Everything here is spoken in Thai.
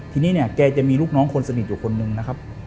ทีนี้เนี่ยแกจะมีลูกน้องคนสนิทอยู่คนนึงนะครับ